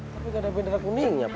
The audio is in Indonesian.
tapi gak ada bendera kuningnya po